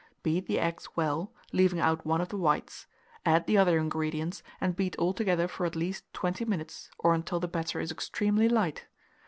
Beat the eggs well, leaving out one of the whites; add the other ingredients, and beat all together for at least 20 minutes, or until the batter is extremely light.